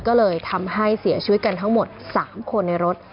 ก็เลยทำให้เสียชีวิตกันทั้งหมด๓คนในรถ